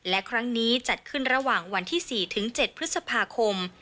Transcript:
และครั้งนี้จัดขึ้นระหว่างวันที่๔๗พฤษภาคม